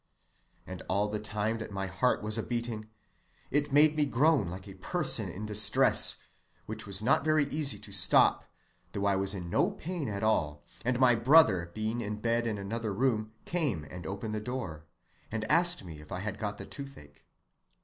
And all the time that my heart was a‐beating, it made me groan like a person in distress, which was not very easy to stop, though I was in no pain at all, and my brother being in bed in another room came and opened the door, and asked me if I had got the toothache.